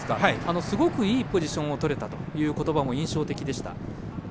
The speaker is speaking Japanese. すごくいいポジションをとれたということばも印象的でした。